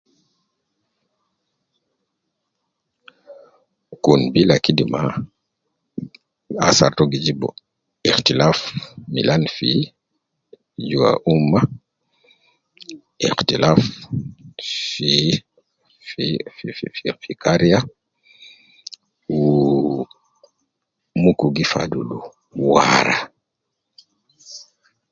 Kun bila kidima, athar to gi jibu ,ikhtilaf milani fi jua ummah ,iktilaf fi, fi fi fi fi fi kariya wu muku gi fadulu wara.